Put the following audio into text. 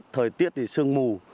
thời tiết thì sương mù